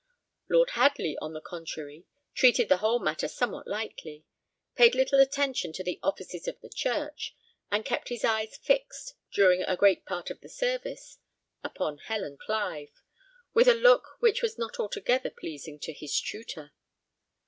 Lord Hadley, on the contrary, treated the whole matter somewhat lightly; paid little attention to the offices of the church; and kept his eyes fixed, during a great part of the service, upon Helen Clive, with a look which was not altogether pleasing to his tutor.